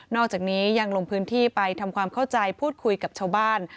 อกจากนี้ยังลงพื้นที่ไปทำความเข้าใจพูดคุยกับชาวบ้าน